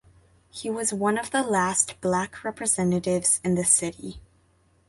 He was one of the last black representatives in the city.